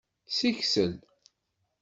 Siksel.